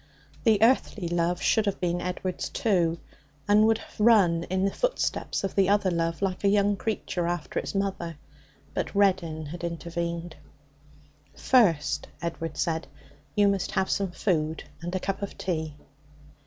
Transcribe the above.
The earthly love should have been Edward's, too, and would have run in the footsteps of the other love, like a young creature after its mother. But Reddin had intervened. 'First,' Edward said, 'you must have some food and a cup of tea.'